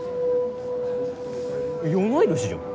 同い年じゃん。